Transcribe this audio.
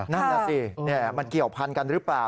นั่นน่ะสิมันเกี่ยวพันกันหรือเปล่า